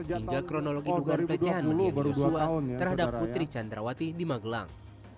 hingga kronologi dugaan pelecehan menia yosua terhadap putri candrawati di magelang